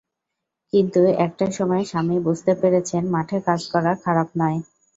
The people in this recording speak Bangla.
কিন্তু একটা সময়ে স্বামী বুঝতে পেরেছেন, মাঠে কাজ করা খারাপ নয়।